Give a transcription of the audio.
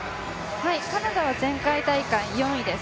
カナダは前回大会４位です。